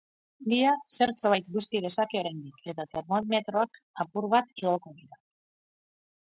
Bihar, zertxobait busti dezake oraindik, eta termometroak apur bat igoko dira.